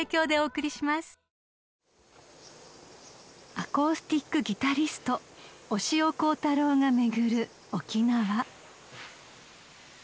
［アコースティックギタリスト押尾コータローが巡る沖縄］